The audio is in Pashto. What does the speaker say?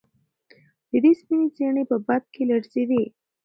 د ده سپینې څڼې په باد کې لړزېدې.